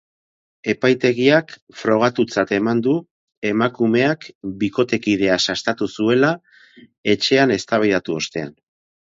Epaitegiak frogatutzat eman du emakumeak bikotekidea sastatu zuela etxean eztabaidatu ostean.